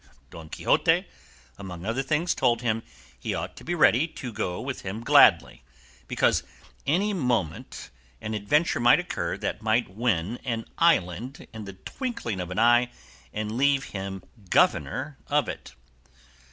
Don Quixote, among other things, told him he ought to be ready to go with him gladly, because any moment an adventure might occur that might win an island in the twinkling of an eye and leave him governor of it.